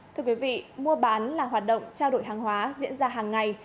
thưa quý vị mua bán là hoạt động trao đổi hàng hóa diễn ra hàng ngày